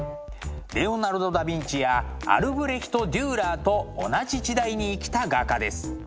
レオナルド・ダ・ヴィンチやアルブレヒト・デューラーと同じ時代に生きた画家です。